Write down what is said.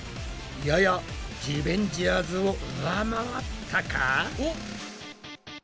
ややリベンジャーズを上回ったか？